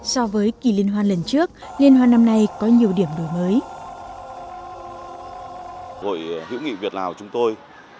so với kỳ liên hoan lần trước liên hoan năm nay có nhiều điểm đổi mới